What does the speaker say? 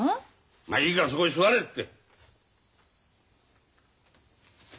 まいいからそこへ座れって。